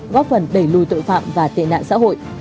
góp phần đẩy lùi tội phạm và tệ nạn xã hội